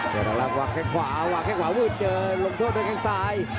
ยอดอักรับหวังแข้งขวาหวังแข้งขวาหนึกเจอลงโทษโดยข้างซ้าย